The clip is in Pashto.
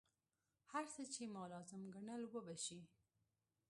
هر څه چې ما لازم ګڼل وبه شي.